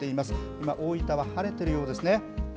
今、大分は晴れているようですね。